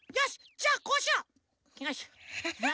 じゃあこうしよう！